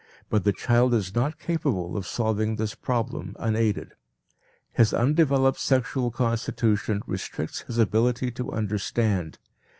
But the child is not capable of solving this problem unaided. His undeveloped sexual constitution restricts his ability to understand.